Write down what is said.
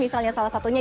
misalnya salah satunya